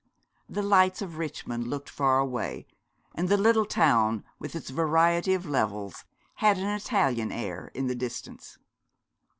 The lights of Richmond looked far away, and the little town with its variety of levels had an Italian air in the distance.